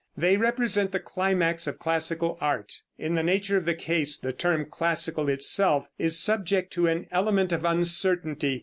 They represent the climax of classical art. In the nature of the case, the term classical itself is subject to an element of uncertainty.